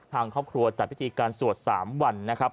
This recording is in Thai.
ทางครอบครัวจัดพิธีการสวด๓วันนะครับ